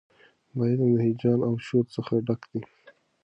دا علم د هیجان او شور څخه ډک دی.